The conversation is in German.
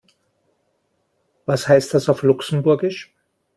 Was heißt das auf Luxemburgisch?